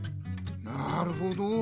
なるほど！